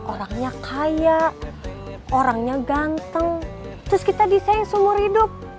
orangnya kaya orangnya ganteng terus kita disayang seluruh hidup